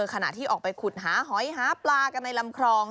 ขณะที่ออกไปขุดหาหอยหาปลากันในลำคลอง